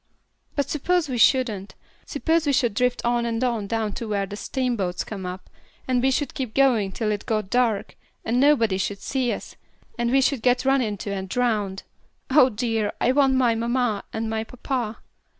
"But suppose we shouldn't. Suppose we should drift on and on down to where the steamboats come up, and we should keep going till it got dark, and nobody should see us, and we should get run into and drowned. Oh dear! I want my mamma, and my papa."